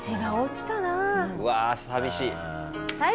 うわ寂しい。